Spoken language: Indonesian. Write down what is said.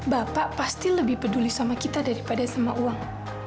bapak pasti lebih peduli sama kita daripada sama uang